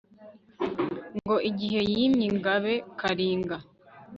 ngo igihe yimye ingabe kalinga